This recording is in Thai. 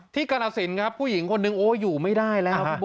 ที่กรราศิลป์ครับผู้หญิงคนหนึ่งโอ้ยอยู่ไม่ได้แล้วครับ